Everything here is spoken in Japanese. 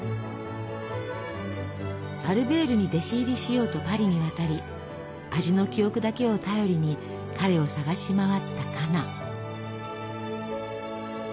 アルベールに弟子入りしようとパリに渡り味の記憶だけを頼りに彼を捜し回ったカナ。